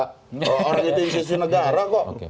kalau orang itu institusi negara kok